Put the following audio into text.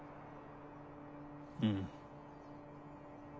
うん。